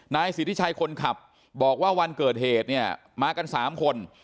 นายสิทธิชัยคนขับบอกว่าวันเกิดเหตุเนี่ยมากัน๓คน